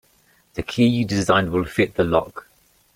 The key you designed will fit the lock.